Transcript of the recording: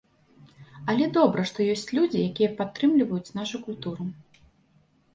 Але добра, што ёсць людзі, якія падтрымліваюць нашу культуру.